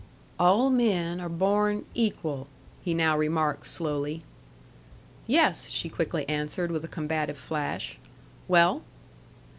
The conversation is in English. "All men are born equal," he now remarked slowly. "Yes," she quickly answered, with a combative flash. "Well?"